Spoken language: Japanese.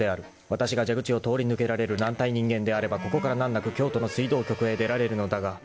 ［わたしが蛇口を通り抜けられる軟体人間であればここから難なく京都の水道局へ出られるのだが］